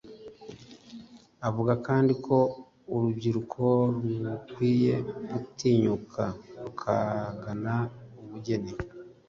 Avuga kandi ko urubyiruko rukwiye gutinyuka rukagana ubugeni